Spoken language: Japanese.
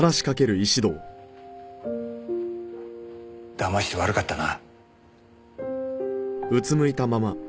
騙して悪かったな。